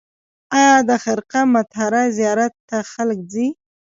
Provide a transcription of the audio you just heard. آیا د خرقه مطهره زیارت ته خلک ځي؟